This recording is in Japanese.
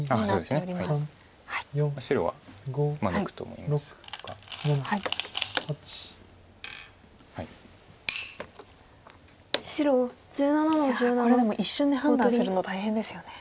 いやこれでも一瞬で判断するの大変ですよね。